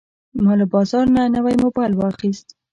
ما له بازار نه نوی موبایل واخیست.